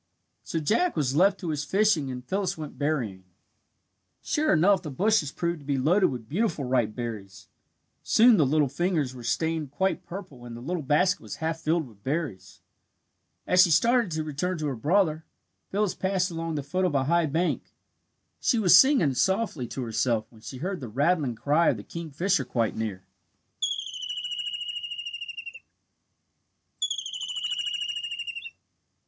So Jack was left to his fishing and Phyllis went berrying. Sure enough the bushes proved to be loaded with beautiful ripe berries. Soon the little fingers were stained quite purple and the little basket was half filled with berries. As she started to return to her brother, Phyllis passed along the foot of a high bank. She was singing softly to herself when she heard the rattling cry of the kingfisher quite near.